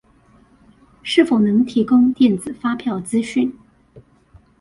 是否能提供電子發票資訊